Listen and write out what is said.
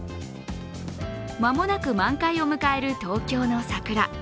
まもなく満開を迎える東京の桜。